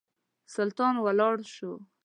سلطان ولاړ شو.